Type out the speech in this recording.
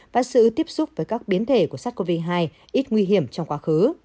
và sự tiếp xúc với các biến thể của sars cov hai ít nguy hiểm trong quá khứ